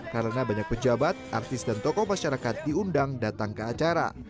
karena banyak pejabat artis dan tokoh masyarakat diundang datang ke acara